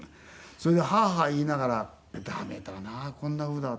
それでハアハア言いながら駄目だなこんなふうだったら。